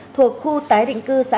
thuộc khu tái định cướp